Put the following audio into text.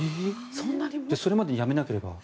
それまで辞めなければ。